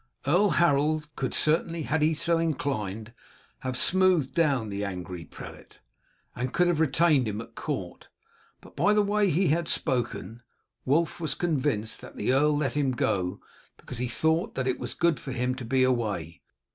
Earl Harold could certainly, had he been so inclined, have smoothed down the angry prelate, and could have retained him at court; but by the way he had spoken, Wulf was convinced that the earl let him go because he thought that it was good for him to be away.